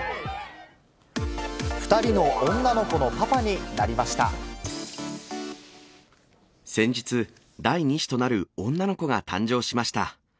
２人の女の子のパパになりま先日、第２子となる女の子が誕生しました。